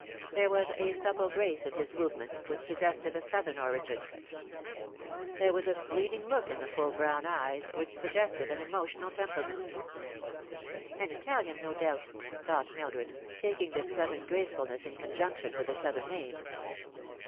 There was a supple grace in his movements which suggested a Southern origin. There was a pleading look in the full brown eyes which sugges ted an emotional temperament. "An Italian, no doubt," thought Mildred, taking this Southern gracef ulness in conjunction with the Southern name.